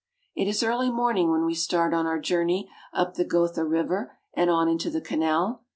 It is early morning when we start on our journey up the Gotha River and on into the canal.